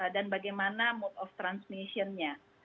dan bagaimana mode of transmissionnya